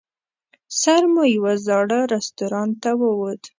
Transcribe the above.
سر مو یوه زاړه رستورانت ته ووت.